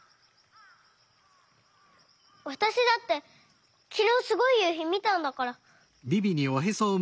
わたしだってきのうすごいゆうひみたんだから。